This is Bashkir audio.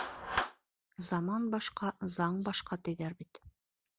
Заман башҡа — заң башҡа, тиҙәр бит.